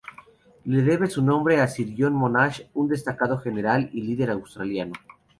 Le debe su nombre a Sir John Monash, un destacado general y líder australiano.